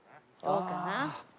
どうかな？